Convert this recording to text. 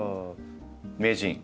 名人！